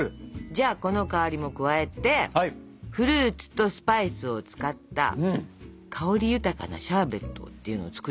じゃあこの香りも加えてフルーツとスパイスを使った香り豊かなシャーベットっていうのを作りたいなと。